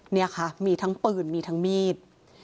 เนี่ยค่ะมีทั้งปืนมีทั้งมีด